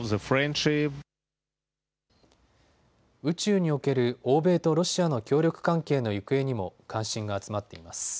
宇宙における欧米とロシアの協力関係の行方にも関心が集まっています。